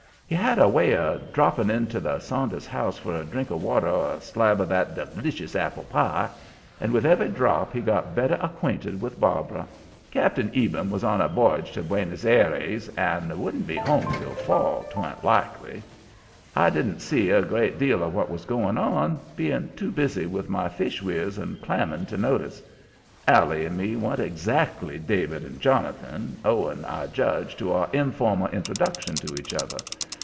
He had a way of dropping into the Saunders house for a drink of water or a slab of 'that delicious apple pie,' and with every drop he got better acquainted with Barbara. Cap'n Eben was on a v'yage to Buenos Ayres and wouldn't be home till fall, 'twa'n't likely. "I didn't see a great deal of what was going on, being too busy with my fishweirs and clamming to notice. Allie and me wa'n't exactly David and Jonathan, owing, I judge, to our informal introduction to each other.